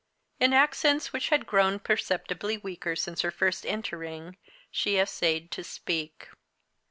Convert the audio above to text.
In accents which had grown perceptibly weaker since her first entering, she essayed to speak.